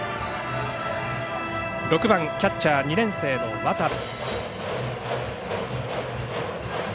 ６番キャッチャー２年生の渡部。